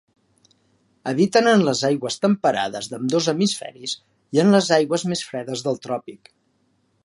Habiten en les aigües temperades d'ambdós hemisferis, i en les aigües més fredes del tròpic.